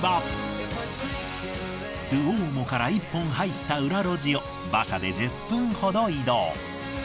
ドゥオーモから１本入った裏路地を馬車で１０分ほど移動。